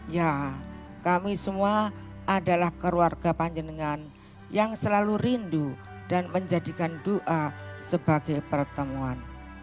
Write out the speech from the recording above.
ya kami semua adalah keluarga panjenengan yang selalu rindu dan menjadikan doa sebagai pertemuan